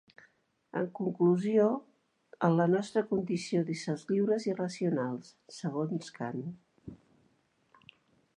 En conclusió, en la nostra condició d'éssers lliures i racionals, segons Kant...